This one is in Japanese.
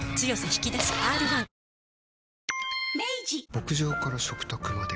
牧場から食卓まで。